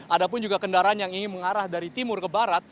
ada pun juga kendaraan yang ingin mengarah dari timur ke barat